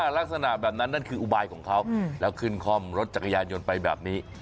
ลักษณะแบบนั้นนั่นคืออุบายของเขาแล้วขึ้นคล่อมรถจักรยานยนต์ไปแบบนี้